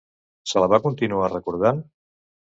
Se la va continuar recordant?